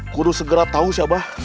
kudus segera tahu siapa